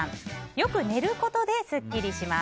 よく寝ることでスッキリします。